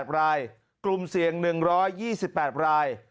๘รายกลุ่มเสี่ยง๑๒๘ราย